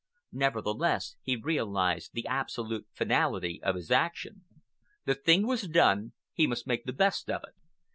Nevertheless, he realized the absolute finality of his action. The thing was done; he must make the best of it.